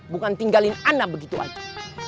bukan tinggalin ana begitu aja